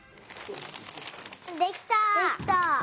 できた！